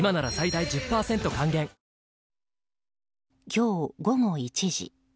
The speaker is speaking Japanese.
今日午後１時。